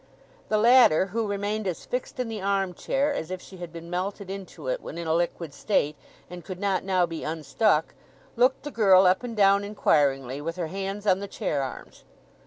The latter, who remained as fixed in the arm chair as if she had been melted into it when in a liquid state, and could not now be unstuck, looked the girl up and down inquiringly, with her hands on the chair arms.